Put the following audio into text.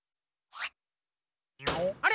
あれ？